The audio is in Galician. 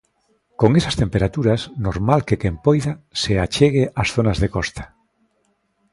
Con esas temperaturas, normal que quen poida se achegue ás zonas de costa.